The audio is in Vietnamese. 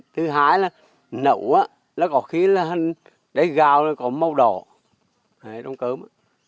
thứ hai là nậu có khi gạo có màu đỏ trong cơm